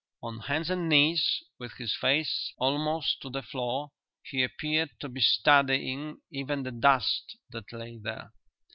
On hands and knees, with his face almost to the floor, he appeared to be studying even the dust that lay there.